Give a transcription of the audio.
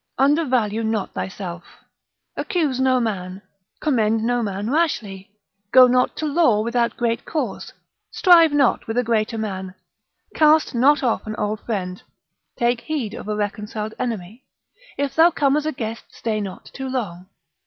Undervalue not thyself. Accuse no man, commend no man rashly. Go not to law without great cause. Strive not with a greater man. Cast not off an old friend, take heed of a reconciled enemy. If thou come as a guest stay not too long.